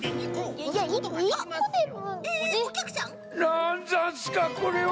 なんざんすかこれは！